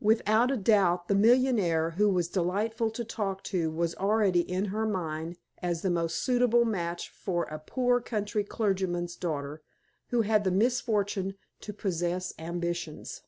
Without a doubt the millionaire who was delightful to talk to was already in her mind as the most suitable match for a poor country clergyman's daughter who had the misfortune to possess ambitions.